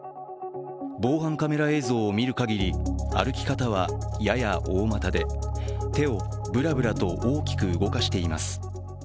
防犯カメラ映像を見るかぎり歩き方はやや大股で手をブラブラと大きく動かしています。